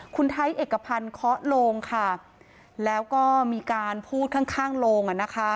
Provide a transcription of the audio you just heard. คุณไทยเอกพันธ์เคาะโลงค่ะแล้วก็มีการพูดข้างโรงอ่ะนะคะ